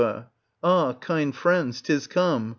Ah, kind friends, 'tis come